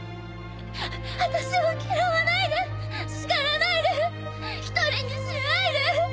あたしを嫌わないで叱らないで一人にしないで。